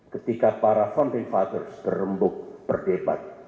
ketika para founding fathers berrembuk berdebat